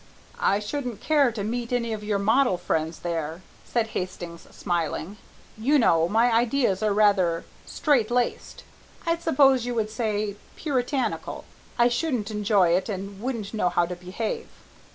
"I shouldn't care to meet any of your model friends there," said Hastings, smiling. "You know my ideas are rather straitlaced, I suppose you would say, Puritanical. I shouldn't enjoy it and wouldn't know how to behave."